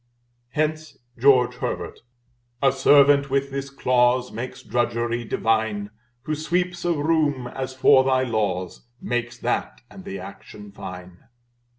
Hence George Herbert "A servant with this clause Makes drudgery divine; Who sweeps a room, as for thy laws, Makes that and the action fine."